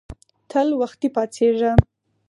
تل وختي پاڅیږه